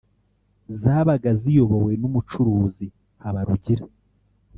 zabaga ziyobowe n’umucuruzi Habarugira